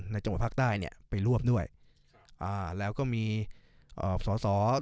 จังหวัดภาคใต้เนี่ยไปรวบด้วยอ่าแล้วก็มีเอ่อสอสอ